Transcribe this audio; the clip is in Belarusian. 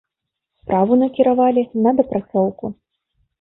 Справу накіравалі на дапрацоўку.